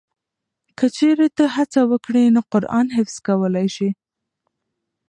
که چېرې ته هڅه وکړې نو قرآن حفظ کولی شې.